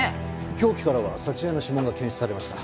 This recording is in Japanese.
凶器からは佐知恵の指紋が検出されました。